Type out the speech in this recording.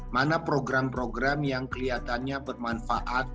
mana program program yang kelihatannya bermanfaat